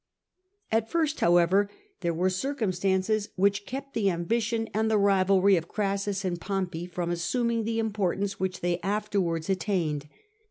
At first, however, there were circumstances which kept the ambition and the rivalry of Orassus and Pompey from assuming the importance which they afterwards attained.